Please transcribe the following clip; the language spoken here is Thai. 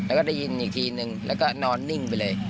แล้วก็ได้ยินอีกทีนึงแล้วก็นอนนิ่งไปเลย